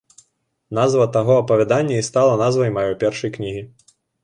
Назва таго апавядання і стала назвай маёй першай кнігі.